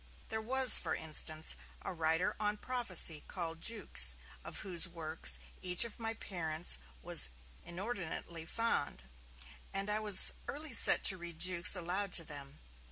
There was, for instance, a writer on prophecy called Jukes, of whose works each of my parents was inordinately fond, and I was early set to read Jukes aloud to them.